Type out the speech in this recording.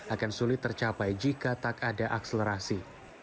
akan sulit tercapai jika tak ada akselerasi